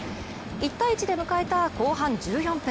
１対１で迎えた後半１４分。